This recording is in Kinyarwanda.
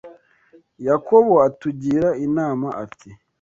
Yakobo atugira inama ati